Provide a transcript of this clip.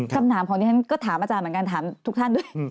คำถามของดิฉันก็ถามอาจารย์เหมือนกันถามทุกท่านด้วย